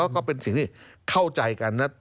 ก็เป็นสิ่งที่เข้าใจกันนะ